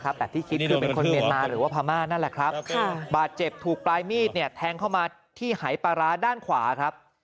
แต่ที่คิดคือเป็นคนเมียนมาหรือว่าพม่านั่นแหละครับบาดเจ็บถูกปลายมีดเนี่ยแทงเข้ามาที่หายปลาร้าด้านขวาครับ